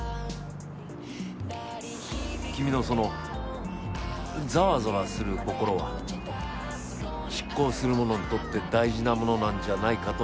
君のそのざわざわする心は執行する者にとって大事なものなんじゃないかと感じてる。